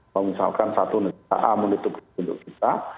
kalau misalkan satu negara a menutupi untuk kita